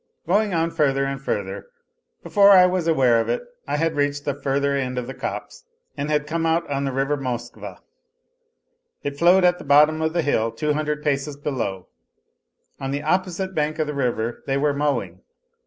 Going on further and. ^further,' before I was aware of it I had reached the further end of the copse and came out on the river Moskva. It flowed at the bottom of the hill two hundred paces below. On the opposite bank of the river they were mowing.